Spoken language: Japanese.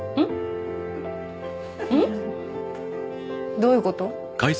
どういうこと？